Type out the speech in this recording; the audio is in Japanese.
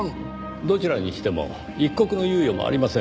どちらにしても一刻の猶予もありません。